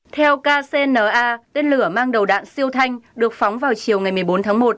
theo kcna tên lửa mang đầu đạn siêu thanh được phóng vào chiều ngày một mươi bốn tháng một